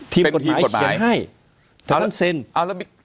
ทีมกฎหมายเขียนให้